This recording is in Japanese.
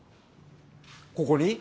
ここに？